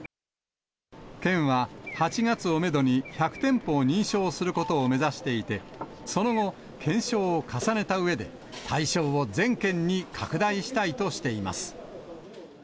県は、８月をメドに１００店舗を認証することを目指していて、その後、検証を重ねたうえで、対象を全県に拡大したいとしています。